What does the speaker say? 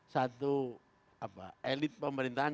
satu elit pemerintahan